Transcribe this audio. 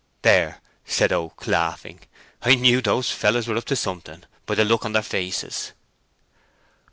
"There!" said Oak, laughing, "I knew those fellows were up to something, by the look on their faces."